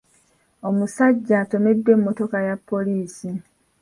Omusajja atomeddwa emmotoka ya poliisi.